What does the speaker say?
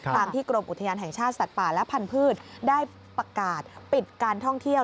ตามที่กรมอุทยานแห่งชาติสัตว์ป่าและพันธุ์ได้ประกาศปิดการท่องเที่ยว